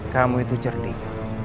kamu itu cerdik